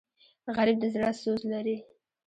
غریب د زړه سوز لري